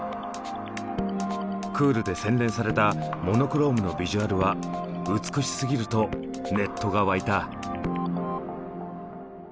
クールで洗練されたモノクロームのビジュアルは「美しすぎる」とネットが沸いた。